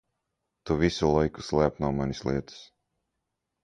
Tu visu laiku slēp no manis lietas!